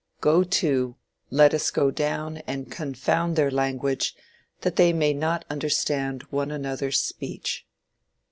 Go to, let us go down and confound their language that they may not understand one another's speech."